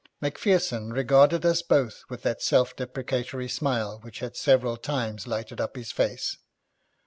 Macpherson regarded us both with that self deprecatory smile which had several times lighted up his face.